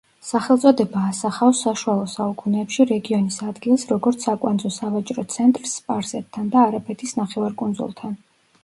სახელწოდება ასახავს საშუალო საუკუნეებში რეგიონის ადგილს, როგორც საკვანძო სავაჭრო ცენტრს სპარსეთთან და არაბეთის ნახევარკუნძულთან.